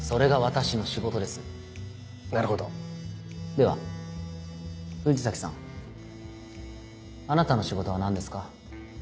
では藤崎さんあなたの仕事は何ですか？